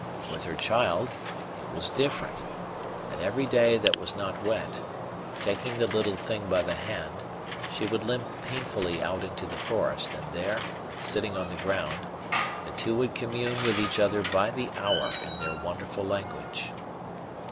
With her child it was different; and every day that was not wet, taking the little thing by the hand, she would limp painfully out into the forest, and there, sitting on the ground, the two would commune with each other by the hour in their wonderful language.